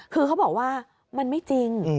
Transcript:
คือเขาบอกว่ามันไม่จริง